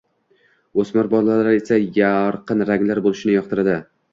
O‘smir bolalar esa yorqin ranglar bo‘lishini yoqtiradi.